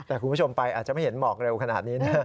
แต่คุณผู้ชมไปอาจจะไม่เห็นหมอกเร็วขนาดนี้นะ